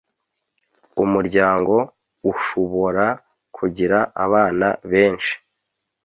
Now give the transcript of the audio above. Umuryango ushubora kugira abana benshi.